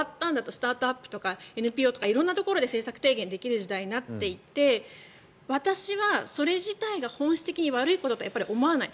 スタートアップとＮＰＯとか色んなところで政策提言ができる時代になっていって私はそれ自体が本質的に悪いこととは思わない。